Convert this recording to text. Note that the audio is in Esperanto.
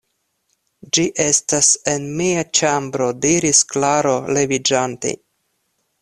Ĝi estas en mia ĉambro diris Klaro leviĝante.